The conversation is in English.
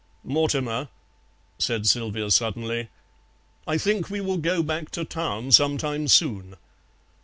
"Mortimer," said Sylvia suddenly, "I think we will go back to Town some time soon."